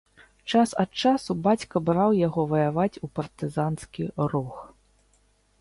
Час ад часу бацька браў яго ваяваць у партызанскі рух.